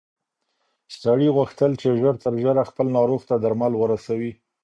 سړي غوښتل چې ژر تر ژره خپل ناروغ ته درمل ورسوي.